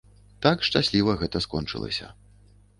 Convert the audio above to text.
Так шчасліва гэта скончылася.